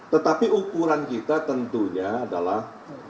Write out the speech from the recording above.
tetapi ukuran kita tentunya adalah